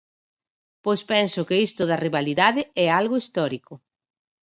Pois penso que isto da rivalidade é algo histórico.